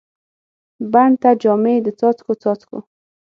بڼ ته جامې د څاڅکو، څاڅکو